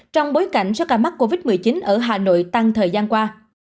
trong bối cảnh số ca mắc covid một mươi chín ở hà nội tăng thời gian qua